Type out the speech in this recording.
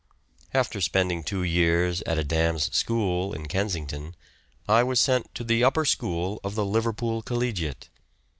After spending two years at a dame's school at Kensington, I was sent to the upper school of the Liverpool Collegiate.